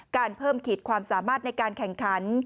การเพิ่มขีดความสามารถในการแข่งขัน